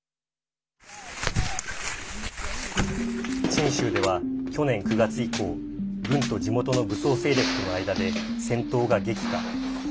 チン州では去年９月以降軍と地元の武装勢力との間で戦闘が激化。